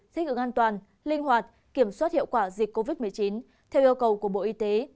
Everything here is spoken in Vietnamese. thích ứng an toàn linh hoạt kiểm soát hiệu quả dịch covid một mươi chín theo yêu cầu của bộ y tế